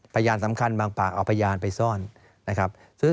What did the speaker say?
พยานสำคัญบางปากเอาพยานไปซ่อนนะครับ